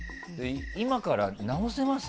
今から直せます？